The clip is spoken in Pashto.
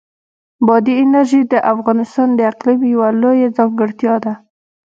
بادي انرژي د افغانستان د اقلیم یوه لویه ځانګړتیا ده.